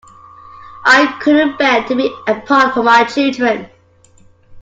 I could not bear to be apart from my children.